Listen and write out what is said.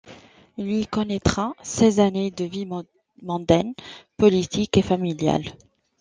Il y connaîtra seize années de vie mondaine, politique et familiale.